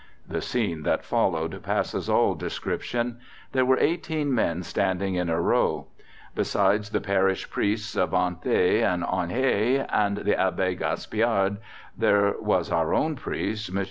"The scene that followed passes all description: there were eighteen men standing in a row: besides the parish priests of Anthee and Onhaye, and the Abbe Gaspiard, there was our own priest, Mons.